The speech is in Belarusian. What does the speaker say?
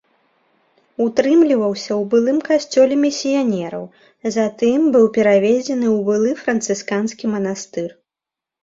Утрымліваўся ў былым касцёле місіянераў, затым быў пераведзены ў былы францысканскі манастыр.